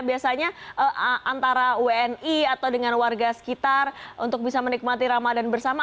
biasanya antara wni atau dengan warga sekitar untuk bisa menikmati ramadan bersama